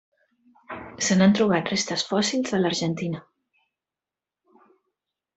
Se n'han trobat restes fòssils a l'Argentina.